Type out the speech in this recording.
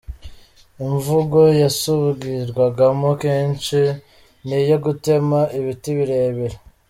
Imvugo yasubirwagamo kenshi ni iyo “Gutema ibiti birebire”.